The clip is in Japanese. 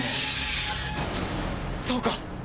そうか！